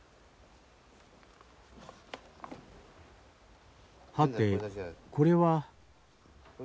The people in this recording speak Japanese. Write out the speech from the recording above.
はてこれは。